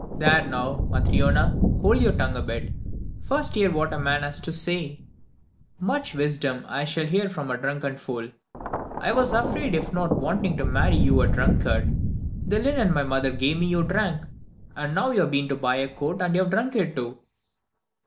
"There now, Matryona, hold your tongue a bit. First hear what a man has to say " "Much wisdom I shall hear from a drunken fool. I was right in not wanting to marry you a drunkard. The linen my mother gave me you drank; and now you've been to buy a coat and have drunk it, too!"